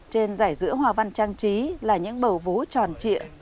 trên giải giữa hòa văn trang trí là những bầu vú tròn trịa